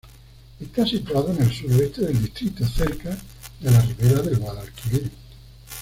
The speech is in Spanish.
Está situado en el sureste del distrito, cerca de la ribera del Guadalquivir.